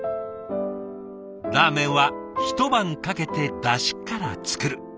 ラーメンは一晩かけてだしから作る。